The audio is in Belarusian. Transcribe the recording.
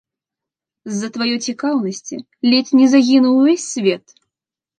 З-за тваёй цікаўнасці ледзь не загінуў увесь свет.